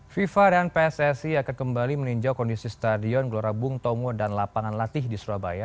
fifa dan pssi akan kembali meninjau kondisi stadion gelora bung tomo dan lapangan latih di surabaya